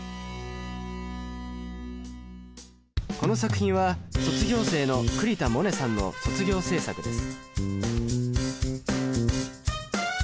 この作品は卒業生の栗田百嶺さんの卒業制作です。